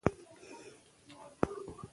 ډيپلومات د نړیوالو اصولو پابند وي.